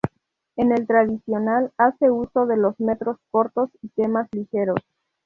En el tradicional hace uso de los metros cortos y temas ligeros.